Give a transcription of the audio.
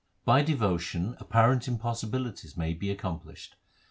By devotion apparent impossibilities may be ac complished.